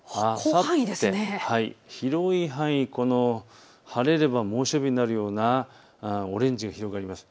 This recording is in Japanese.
広い範囲、晴れれば猛暑日になるようなオレンジが広がります。